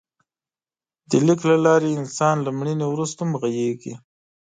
د لیک له لارې انسان له مړینې وروسته هم غږېږي.